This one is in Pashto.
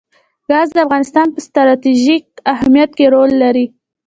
ګاز د افغانستان په ستراتیژیک اهمیت کې رول لري.